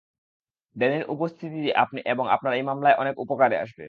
ড্যানির উপস্থিতি আপনি এবং আপনার এই মামলায় অনেক উপকারে আসবে।